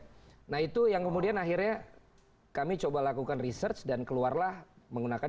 hai nah itu yang kemudian akhirnya kami coba lakukan research dan keluarlah menggunakan